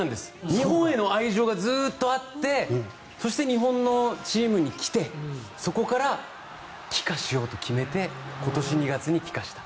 日本への愛情がずっとあってそして日本のチームに来てそこから帰化しようと決めて今年２月に帰化した。